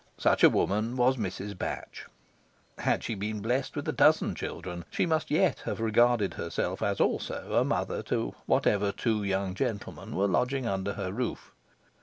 Such a woman was Mrs. Batch. Had she been blest with a dozen children, she must yet have regarded herself as also a mother to whatever two young gentlemen were lodging under her roof.